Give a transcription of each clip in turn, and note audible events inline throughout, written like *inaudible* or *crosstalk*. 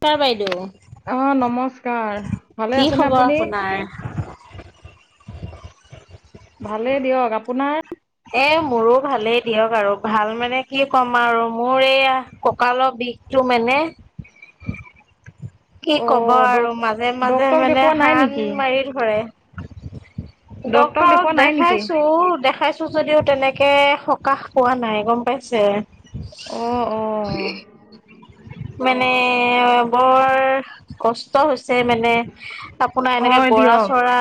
ছ বাইদেউ। অ নমস্কাৰ ভালে কি আছেনে খবৰ আপুনি। আপোনাৰ? *unintelligible* *inaudible* ভালে দিয়ক আপোনাৰ। এ মোৰো ভালেই দিয়ক আৰু ভাল মানে কি কম আৰু মোৰ এইয়া ককাল টো মে *unintelligible* *inaudible* কি অ কব আৰু ডক মাজে মাজে ডক্তৰক মানে দেখুওৱা নাই হান নেকি মাৰি ধৰে। ডক্তৰক দেখুওৱা নাই নেকি দেখাইছো দেখাইছো যদিও তেনেকে। সকাহ পোৱা নাই গম পাইছে। অ অ মানে বৰ কষ্ট। হৈছে মানে, আপোনাৰ এনেকে হয় গৰা দিয়ক চৰা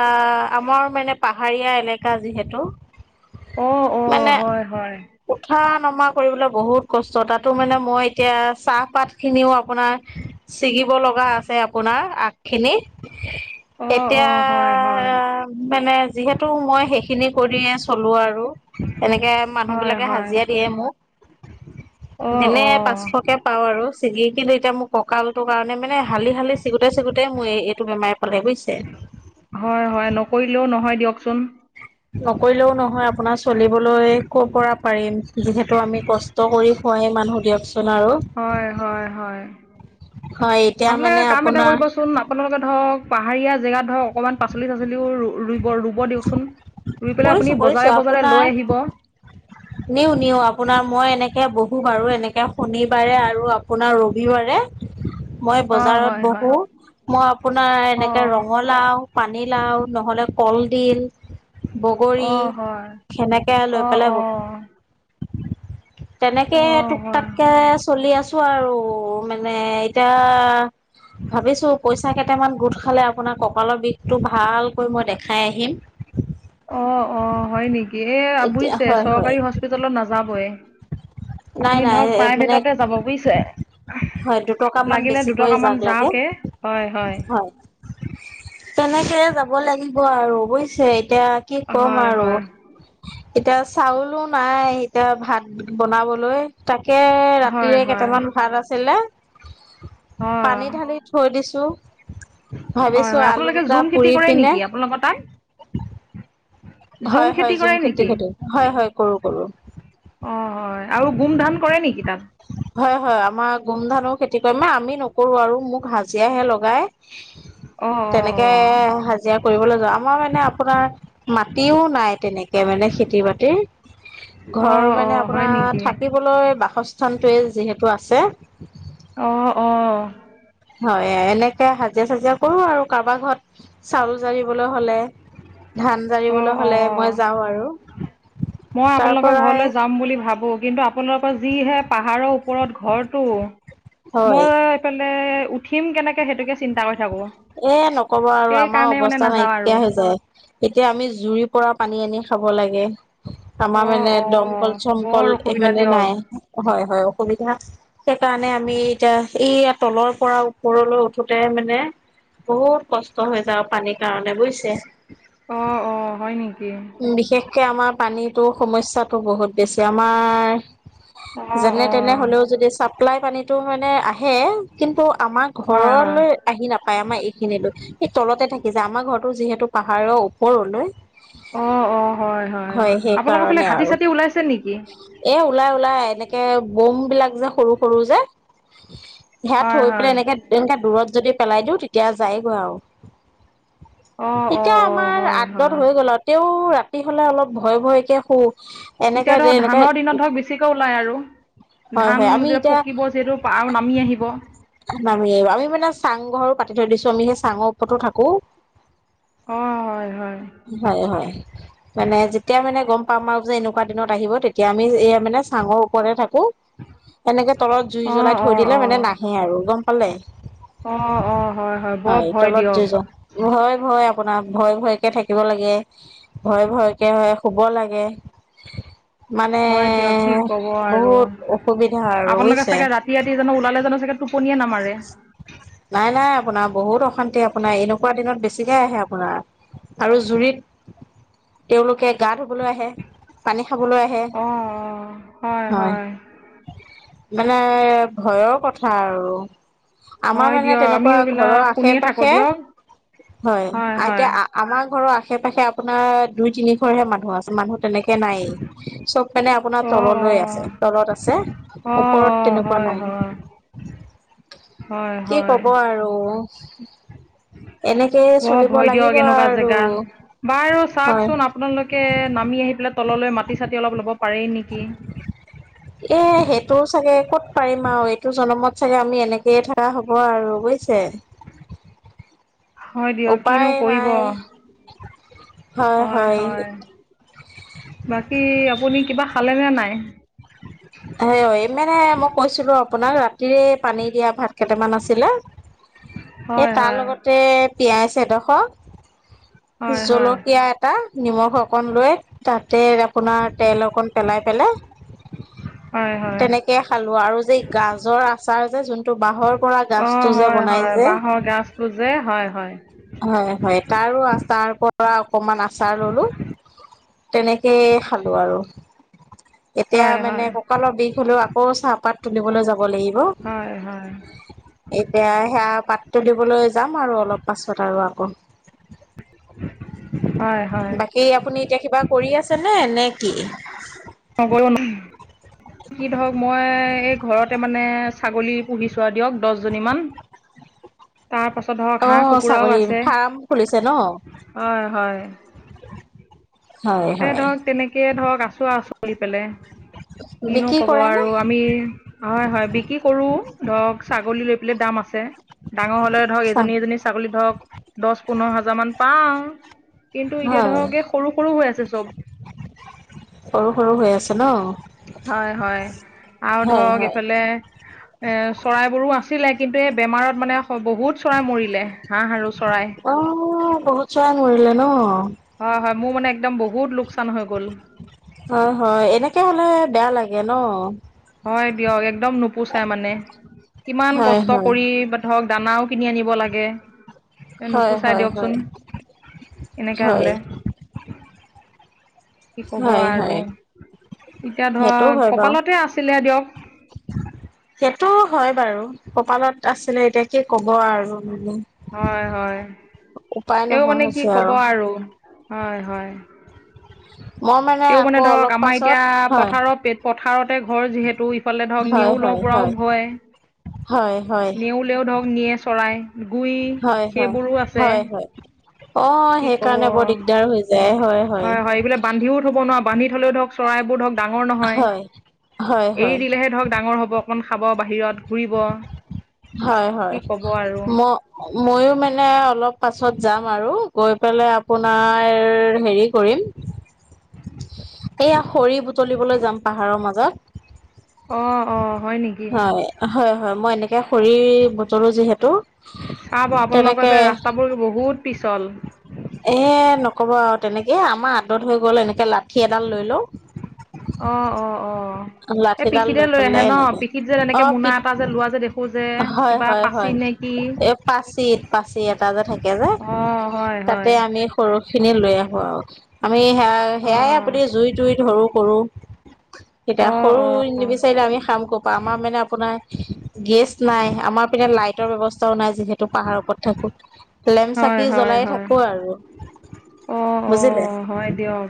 আমাৰ মানে পাহাৰীয়া এলেকা। যিহেতু। অ অ মানে হয় হয়। উঠা নমা কৰিবলৈ বহুত কষ্ট তাতো মানে মই এতিয়া চাহপাত খিনিও আপোনাৰ ছিগিব লগা আছে আপোনাৰ আগ খিনি। অ অ এতিয়া হয় হয় মানে যিহেতু মই শেষ খিনি কৰিয়ে চলো আৰু, এনেকে মানুহ হয় বিলাকে হয় হাজিৰা দিয়ে মোক। অ এনে অ পাঁচশকে পাও আৰু ছিগি কিনে এতিয়া মোৰ ককাল তটো কাৰণে মানে হালি হালি চিগুতে চিগুতে মই এইটো বেমাৰে পালে বুজিছে। হয় হয় নকৰিলেও। চ। নকৰিলেও নহয় আপোনাৰ চলিবলৈ ক'ৰ পৰা হয়ে মানুহ দিয়কোন। হয় হয় হয়। হয় এতিয়া মানে আপোনালোকে কাম এটা আপোনাৰ কৰিবচোন আপোনালোকে ধৰক পাহাৰীয়া জেগাত। অকণমান পালিাচলিও ৰুই। ৰুব দিয়কচোন ৰুই পেলাই কৰিছো আপুনি বজাৰে বজাৰে লৈ আহিব। নিওঁ নিও আপোনাৰ মই এনেকে ব। বাৰু এনেকে শনিবাৰে আৰু আপোনাৰ ৰবিবাৰে মই অঁ বজাৰত হয় হয় বহো। মই আপোনাৰ এনেকে অঁ ৰঙলাও, পানী লাও, নহ'লে কল, দিল। বগৰী, অঁ হয় সেনেকে লৈ অঁ পেলাই বু। অঁ তেনেকে অঁ হয় টোকটাককে চলি আছো আৰু। মানে এতিয়া ভাবিছো পইচা ক কেইটামান গোট খালে আপোনাৰ কঁকালৰ বিষটো ভালকৈ মই দেখাই আহিম। অ অ হয় নেকি এ এতিয়া বুজিছে হয় হয় চৰকাৰী হস্পিতালত নাযাবয়। নাই আপুনি নাই ধৰক প্ৰাই মানে ভেটতে যাব বুজিছে। হয় দুটকামান লাগিলে বেছিকৈ যাক দুটকামান লাগে যাওকে হয় হয়। তেনেকেয়ে যাব। লাগিব আৰু বুজছে এতিয়া কি ক'ম হয় আৰু হয় এতিয়া চাউলো। নাই এতিয়া ভাত বনাবলৈ তাক তে হয় ৰাতিৰে হয় কেইটামান ভাত আছিলে। অঁ পানী ঢালি থৈ দিছোঁ। হয় ভাবিছো হয় আলু আপোনালোকে দুটা জুম খেতি পুৰি কৰে পিনে। নেকি আপোনালোকৰ তাত ঝুম হয় হয় জুম, কৰে খেতি নেকি খেতি হয়, হয় কৰো কৰো। অ হয় আৰু গুম ধান কৰে নেকি তাত। হয় হয় আমাৰ গোমধানৰ খেতি কৰিমে আমি নকৰোঁ আৰু মোক হাজিৰা হে লগাই। অ অ তেনেকে হাজিৰা কৰিবলৈ যোৱা আমাৰ মানে আপোনাৰ মাটিও নাই তেনেকে মানে। খেতি বাতিৰ অ অ ঘৰ অ মানে হয় আপোনাৰ নেকি থা বাসস্থানটোৱেই যিহেতু আছে। আহ আহ হয় এনেকে হাজিৰা চাজিৰা কৰো আৰু কাৰোবাৰ ঘৰত চাউল জাৰিবলৈ হলে, ধান অ জাৰিবলৈ অ হ'লে মই যাওঁ আৰু। মই তাৰ আপোনালোকৰ পৰাই ঘৰলৈ যাম বুলি ভাবো। কিন্তু আপোনালোকৰ যিহে পাহাৰৰ ওপৰত ঘৰটো হয় মই উঠিম কেনেকে সেইটোকে চিন্তা কৰি থাকোঁ এ নকব। আৰু আমাৰ সেইকাৰণে মানে অৱস্থা নাযাওঁ নাইকিয় আৰু হৈ যায়, এতিয়া আমি জুৰিৰ পৰা পানী আনি খাব লাগে। অ আমাৰ মানে অ দমকল বৰ চমকল অসুবিধা মানে দিয়ক নাই হয় হয় অসুবিধা। সেইকাৰণে আমি এতিয়া এই তলৰ পৰা ওপৰলৈ উঠোতে মানে। বহুত কষ্ট হৈ যাওঁ পানীৰ কাৰণে বুজছে। অ অ হয় নেকি। উ বিশেষকে আমাৰ পানীতো সমস্যাটো বহুত বেছি আ আমাৰ অ যেনে অ তেনে হলেও যদি চাপ্লাই পানীটো মানে আহ। আহে কিন্তু আমাৰ হয় হয় ঘৰলৈ আহি নাপায় আমাৰ এইখিনিলৈ স তলতে থাকি যায় আমাৰ ঘৰ। টো যিহেতু পাহাৰৰ ওপৰলৈ। অঁ অঁ হয় সেই আপোনালোকৰ ফালে কাৰণে হাতী আৰু চাতি ওলাইছে নেকি এ ওলাই ওলাই এনেকে এ বম বিলাক যে সৰু সৰু যে। সেয়া হয় থৈ হয় পেলাই এনেকে এনেকে দূৰত যদি পেলাই দিওঁ তেতিয়া যায়গৈ আও। অঁ অঁ এতিয়া অঁ আমাৰ হয় হয় আগত হৈ গল তে ৰাতি হলে অলপ ভয় ভয়কে হু এতিয়া ধৰ ধানৰ দিনত ধৰক বেছিকে ওলাই আৰু। হয় হয় ধান আমি যেতিয়া এতিয়া পকিব সেইটো আৰু নামি আহিব। নামি আমি মানে চাং ঘৰো পাতি থৈ দিছো আমি সেই চাঙৰ ওপৰতো থাকো। অ হয় হয়। হয় হয় মানে যেতিয়া মানে গম পাম আৰু যে এনেকুৱা দিনত আহিব তেত- এতিয়া আমি এ মানে চাঙৰ ওপৰতে থাকো, এনেকে তলত জুই অঁ জ্বলাই থৈ অঁ দিলে মানে অঁ নাক। গম পালে, অঁ অঁ বৰ হয় ভয় তলত দিয়ক জুই যা ভয় ভয়। আপোনাৰ ভয় ভয়কে থাকিব লাগে, ভয় ভয়কে হয় শুব লাগে। মানে *inaudible* হয় দিয়ক কি কব আৰু বহুত অসুবিধা আৰু আপোনালোকে বুজিছে চাগে ৰাতি ৰাতি জানো ওলালে জানো চাগে। টোপনিয়ে নামাৰে। নাই নাই আপোনাৰ বহুত অশান্তি আপোনাৰ এনেকুৱা দিনত বেছিকৈ আহে আপোনা- আৰু জুৰিত, তেওঁলোকে গা ধুবলৈ আহে পানী। খাবলৈ আহে, হয়। মানে ভয়ৰ কথা আৰু। আমাৰ হয় মানে দিয়ক তেনেকুৱা আমিও ঘৰৰ এইবিলাক আশে শুনিয়ে থাকোঁ পাশে। দিয়ক হয় এতিয়া আমাৰ ঘৰৰ আ আশে পাশে আপোনাৰ দুই তিনি ঘৰহে মানুহ আছে মানুহ তেনেকে নায়েই চব মানে আপোনাৰ অঁ তললৈ অঁ আছে তলত আছে, অ', ওপৰত অ', তেনেকুৱা হয়, নাই। হয়, হয়। কি হয়, কব আৰু। এনেকে বৰ চলিব ভয় দিয়ক লাগিব এনেকুৱা আৰু। জেগাত। বাৰু হয় চাওকচোন আপোনালোকে নামি আহি পেলাই তললৈ মাটি চাতি অলপ লব। পাৰেই নেকি। এ সেইটোও চাগে। ক'ত পাৰিম আৰু এইটো জনমত চাগে আমি এনেকয়ে থকা হ'ব আৰু বুজিছে। হয় দিয়ক কিনো উপায় কৰিব। নাই হয় হয়। বাকী আপুনি কিবা খালেনে নে নাই? *unintelligible* সেয়ই মানে মই কৈছিলো আপোনাক ৰাতিৰে পানী দিয়া ভাত। কেইটামান আছিলে এই হয়, তাৰ হয়, লগতে পিঁয়াজ এডখ হয়, হয়, জলকীয়া এটা নিমখ অকন লৈ তাতে আপোনাৰ তেল অকণ পেলাই পেলে। হয়, হয়। তেনেকে খালো আৰু যে গাজৰ আচাৰ যে যোনটো বাহৰ পৰা অ', গাজটো যে হয়, বনাই হয়, যে বাঁহৰ গছ টোজে হয় হয় তাৰো আচাৰ পৰা অকমান আচাৰ ললো। তেনেকেই খালো আৰু এতিয়া হয়, মানে হয়, কঁকালৰ বিষ হলেও আকৌ চাহপাত তুলিবলে যাব লাগিব হয়, হয়, এতিয়া সেয়া পাতটো দিবলৈ যাম আৰু অলপ পাছত আৰু আকৌ। *inaudible* হয়, বাকী আপুনি এতিয়া কিবা কৰি আছে নে নেকি? *unintelligible* কি ধৰক মই এই ঘৰতে মানে ছাগলী পুহি চোৱা দিয়ক দহজনীমান *inaudible* তাৰপাছত ধৰক অ' হাঁহ কুকুৰাও ছাগলী আছে, ফাৰ্ম খুলিছে ন? হয় হয়। হয় এ হয়। ধৰক তেনেকে ধৰক আছো আৰু চলি পেলাই। কিনো বিক্ৰী কব কৰে নে? আৰু আমি হয় হয় বিক্ৰী কৰো ধৰক ছাগলী লৈ দাম আছে। ডাঙৰ হলে ধৰক চাহ এজনী এজনী ছাগলী ধৰক দহ পোন্ধৰ হাজাৰ মান পাওঁ। কিন্তু এতিয়া হয় ধৰকে সৰু সৰু হৈ আছে চব সৰু সৰু হৈ আছে ন? হয় হয় আৰু হয় ধৰক হয়। এইফালে এ চৰাই বোৰো আছে আছিলে কিন্তু এই বেমাৰত মানে বহুত চৰাই মৰিলে হাঁহ আৰু চৰাই অ' বহুত চৰাই মৰিলে ন? হয় হয় মোৰ মানে একদম বহুত লোকচান হৈ গ'ল অ হয় এনেকে হলে বেয়া লাগে ন হয় দিয়ক একদম নুপোচাই মানে কিমান হয় কষ্ট হয়। কৰি বা ধৰক দানাও কিনি আনিব লাগে। এ হয় নোপোচাই হয় হয় দিয়কচোন এনেকাে হয় হলে কি কব হয় আৰু হয় এতিয়া সেইটোও ধৰ হয় বাৰু। কপালতে আছিলে দিয়ক সেইটো হয় বাৰু কপালত আছিলে এতিয়া কি ক'ব আৰু মানে। হয় হয় উপায় এইও নোহোৱা মানে কি হৈছে কব আৰু হয় হয়। মই তেওঁ মানে আকৌ ধৰক অলপ আমাৰ পাছত এতিয়া হয় পথাৰৰ পেট পথাৰতে ঘৰ যিহেতু ইফালে ধৰক হয় নেওঁলৰ হয় হয় পৰাও ভয়। হয় হয় নেওলেও ধৰক নিয়ে চৰাই গুই হয় হয় সেইবোৰো আছে। হয় হয় অ কি কব সেইকাৰণে বৰ দিগদাৰ হৈ যায় হয় হয় এইবোলে বান্ধিও থব ন বান্ধি থ'লেও ধৰক চৰাইবোৰ ধৰক ডাঙৰ নহয় হয় হয় হয় এৰি দিলেহে ধৰক ডাঙৰ হ'ব। অকণমান খাব বাহিৰত ঘূৰিব হয় হয় কি ক'ব আৰু ম মইয়ো মানে অলপ পাছত যাম আৰু গৈ পেলাই আপোনাৰ হেৰি কৰিম, এয়া খৰি বুটলিবলৈ যাম পাহাৰৰ মাজত। অ অ হয় নেকি হয় হয় হয় মই এনেকে খৰি বুটলো যিহেতু চাব আপোনালোকৰফ তেনেকে ৰাস্তাবোৰ বহুত পিছল। এ নকব আৰু তেনেকে আমাৰ আদত হৈ গ'ল এনেকে লাঠি এডাল লৈ লও অ অ অ এ লাঠিডাল পিঠিতে লৈ আহে পেলাই ন এনেকে পিঠিত যে অ এনেকে মোনা পিত এটা যে লোৱা যে দেখো যে কিবা পাচি নে কি এ পাচিত পাচিত অ হয় হয়। তাতে আমি সৰুখিনি লৈ আহোঁ আৰু আমি সেয়া অ সেয়াই আপুনি জুই তুই ধৰোঁ কৰোঁ এতিয়া অ সৰু অ নিবিচাৰিলে আমি কাম কৰ পা আমাৰ মানে আপোনাৰ গেছ নাই আমাৰ পিনে লাইটৰ ব্যৱস্থাও নাই যিহেতু পাহাৰ ওপৰত থাকো লেম্প হয় চাকি হয় জ্বলাই থাকো। হয় আকৌ আৰু। অ অ বুজিলে হয় দিয়ক।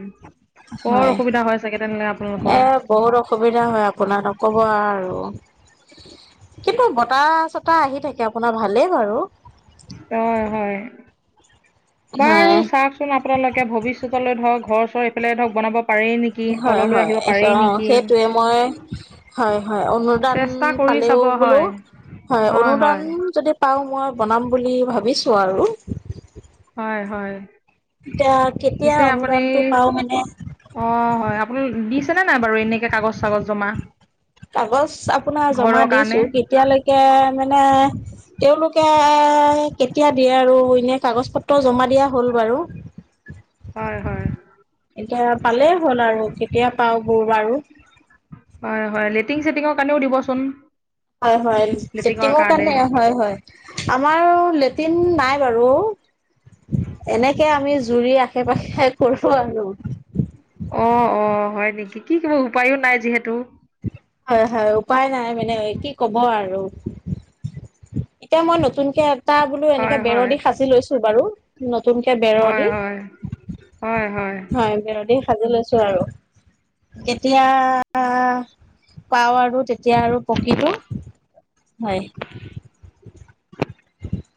বৰ হয় অসুবিধা হয় চাগে তেনেহ'লে আপোনালোকৰ এ বহুত অসুবিধা হয় আপোনাৰ ক'ব আৰু কিন্তু বতাহ চটাহ আহি থাকে আপোনাৰ ভালেই ব আৰু হয় হয়। বাৰু হয় চাওকচোন আপোনালোকে ভৱিষ্যতলৈ ধৰক ঘৰ চৰ এইফালাই ধৰক বনাব পাৰেই নেকি হয় তললৈ হয় আহিব অ পাৰেই নেকি সেইটোৱে মই হয় হয় অনুদান চেষ্টা কৰি পালেও চাব বোলো হয় হয় অনুদান যদি পাওঁ মই বনাম বুলি ভাবিছো আৰু। হয় হয় এতিয়া কেতিয়া পিছে আপুনি অনুদানটো পাওঁ মানে অ হয় আপোনাৰ দি নে নাই বাৰু এনেকে কাগজ চাগজ জমা। কাগজ আপোনাৰ ঘৰৰ জমা কাৰণে দিছো কেতিয়ালৈকে মানে তেওঁলোকে কেতিয়া দিয়ে আৰু এনে কাগজ পত্ৰ জমা দিয়া হ'ল বাৰু। হয় হয়। এতিয়া পালেই হ'ল আৰু কেতিয়া পাও বুৰ বাৰু। হয়, হয়। লেট্ৰিং চেটিঙৰ কাৰণেও দিবচোন। হয়, হয়। লেট্ৰিনৰ কাৰণে। হয়, হয়। আমাৰো লেট্ৰিন নাই আৰু এনেকে আমি জু জুৰি আশে পাশে কৰো আৰু। অ-অ হয় নেকি? কি কৰিব উপায়ো নাই যিহেতু। হয়, হয়। উপায় নাই মানে, কি কব আৰু। এতিয়া মই নতুনকে এটা বোলো এনেকে হয় বেৰৰ হয় দি সাজি লৈছো বাৰু নতুনকে বেৰৰ হয় দি, হয় হয় বেৰৰ দি। সাজি লৈছো আৰু কেতিয়া পাওঁ আৰু তেতিয়া আৰু পকো, হয়। *inaudible*